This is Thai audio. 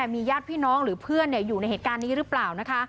มีญาติพี่น้องหรือเพื่อนอยู่ในเหตุการณ์นี้หรือเปล่า